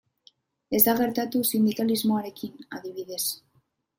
Ez da gertatu sindikalismoarekin, adibidez.